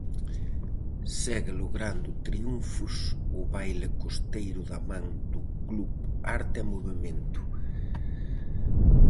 Segue logrando triunfos o baile costeiro da man do club Arte e Movemento.